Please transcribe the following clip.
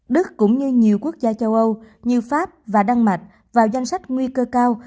đức cũng như nhiều quốc gia châu âu như pháp và đan mạch vào danh sách nguy cơ cao